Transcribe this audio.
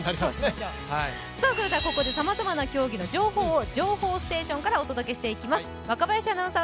それではここでさまざまな情報を情報ステーションからお伝えしていきます。